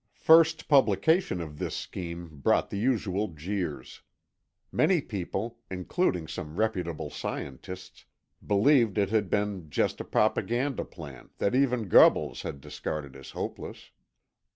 First publication of this scheme brought the usual jeers. Many people, including some reputable scientists, believed it had been just a propaganda plan that even Goebbels had discarded as hopeless.